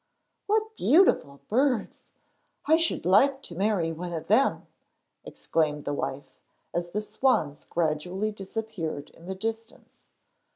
'What beautiful birds! I should like to marry one of them!' exclaimed the wife, as the swans gradually disappeared in the distance.